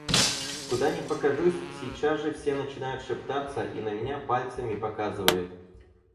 Куда не покажусь, сейчас же все начинают шептаться и на меня пальцами показывают.